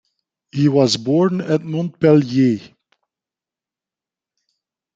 He was born at Montpellier.